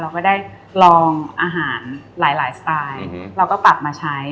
ก็ได้ลองอาหารหลายสไตล์เราก็ปรับมาใช้